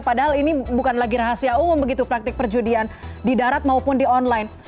padahal ini bukan lagi rahasia umum begitu praktik perjudian di darat maupun di online